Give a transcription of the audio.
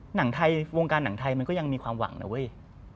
หนังไทยวงการหนังไทยมันก็ยังมีความหวังนะเว้ย